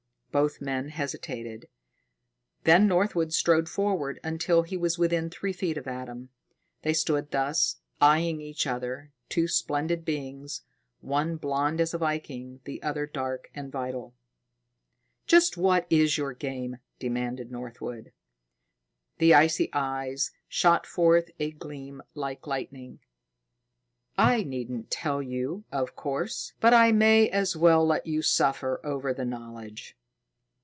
Both men hesitated. Then Northwood strode forward until he was within three feet of Adam. They stood thus, eyeing each other, two splendid beings, one blond as a Viking, the other dark and vital. "Just what is your game?" demanded Northwood. The icy eyes shot forth a gleam like lightning. "I needn't tell you, of course, but I may as well let you suffer over the knowledge."